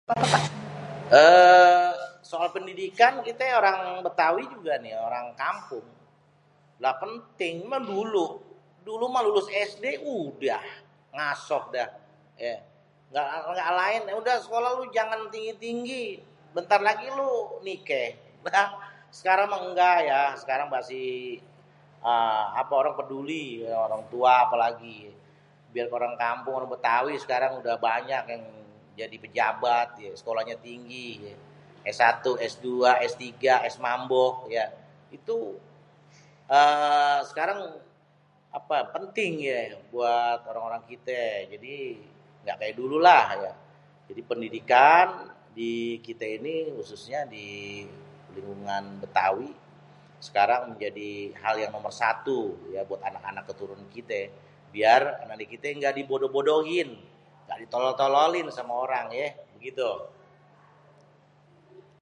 'êêêê' soal pendidikan kité orang bêtawi juga ni orang kampung lah penting, émang dulu. Dulu mah lulus SD udah ngasoh dah yé 'êêê'. èngga laén udéh lo sekolèh jangan tinggi-tinggi bentar lagi lu nikéh. Lah sekarang mah èngga ya, 'êêê' orang masih peduli orang tua apalagi biar orang kampung orang bètawi sekarang udéh banyak yang jadi pejabat terus sekolahnya tinggi ye S1, S2, S3, S mambo ya. Itu 'êêê' sekarang apa penting yé buat orang-orang kité jadi èngga kaya dulu lah. Jadi pendidikan di kita ini khususnya di lingkungan bêtawi sekarang jadi hal yang nomor satu ya buat anak-anak keturunan kité biar anak kité engga dibodoh-bodohin, engga di tolol-tololin sama orang yé begitu.